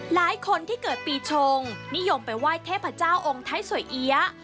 หลายคนที่เกิดปีชงนิยมไปไหว้เทพเจ้าองค์ไทยสวยเอี๊ยะ